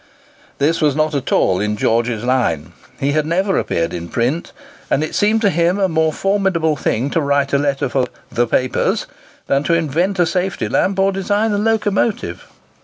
This was not at all in George's line. He had never appeared in print; and it seemed to him a more formidable thing to write a letter for "the papers" than to invent a safety lamp or design a locomotive.